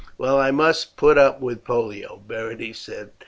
"Well, I must put up with Pollio," Berenice said.